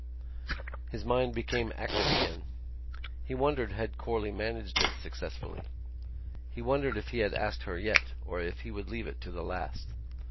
His mind became active again. He wondered had Corley managed it successfully. He wondered if he had asked her yet or if he would leave it to the last.